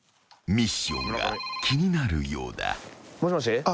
［ミッションが気になるようだ］もしもし。